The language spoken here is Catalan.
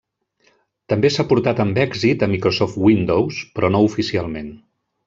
També s'ha portat amb èxit a Microsoft Windows, però no oficialment.